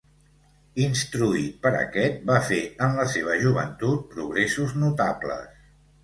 Instruït per aquest va fer en la seva joventut progressos notables.